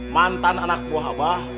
mantan anakku abah